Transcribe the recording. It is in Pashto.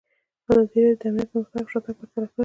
ازادي راډیو د امنیت پرمختګ او شاتګ پرتله کړی.